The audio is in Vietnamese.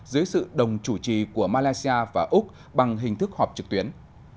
dưới sự đồng chủ trì của malaysia và úc bằng hình thức họp trực tuyến